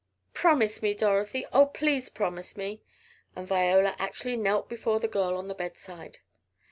Promise me, Dorothy! Oh, please promise me!" and Viola actually knelt before the girl on the bedside.